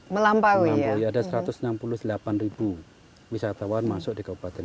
melampaui ada satu ratus enam puluh delapan ribu wisatawan masuk di kabupaten